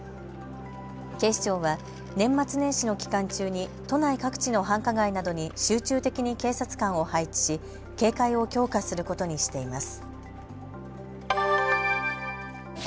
警視庁は年末年始の期間中に都内各地の繁華街などに集中的に警察官を配置し警戒を強化することにしています。